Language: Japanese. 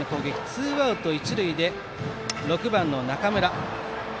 ツーアウト、一塁で６番、中村。